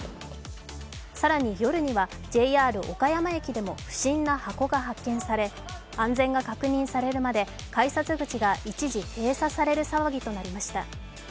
更に夜にはＪＲ岡山駅でも不審な箱が発見され安全が確認されるまで改札口が一時閉鎖される騒ぎとなりました。